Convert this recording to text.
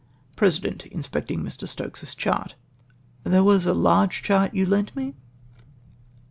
Peesident {inspecting Mr. Stokes's chart). —" There was a large chart you lent me